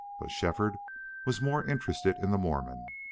But Shefford was more interested in the Mormon.